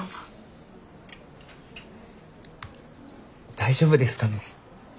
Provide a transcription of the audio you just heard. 大丈夫ですかね。